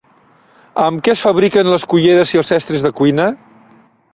Amb què es fabriquen les culleres i els estris de cuina?